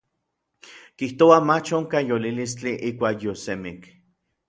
Kijtouaj mach onkaj yolilistli ijkuak yiosemik.